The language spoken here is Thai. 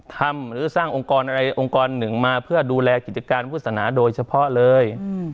หรือสร้างองค์กรอะไรองค์กรหนึ่งมาเพื่อดูแลกิจการวุฒนาโดยเฉพาะเลย